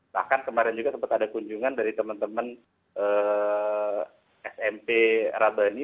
bahkan kemarin juga sempat ada kunjungan dari teman teman smp rabah ini